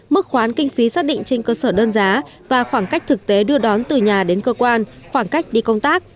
mức khoán kinh phí xác định trên cơ sở đơn giá và khoảng cách thực tế đưa đón từ nhà đến cơ quan khoảng cách đi công tác